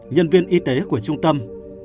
nhân viên y tế của trung tâm